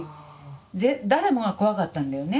誰もが怖かったんだよね。